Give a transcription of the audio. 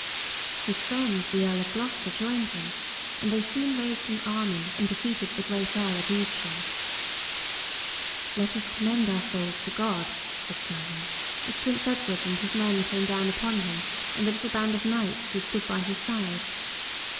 His friend, the Earl of Gloucester, joined him, and they soon raised an army and defeated the great Earl at Evesham. [Sidenote: A.D. 1265.] "Let us commend our souls to God," said Simon, as Prince Edward and his men came down upon him and the little band of knights who stood by his side.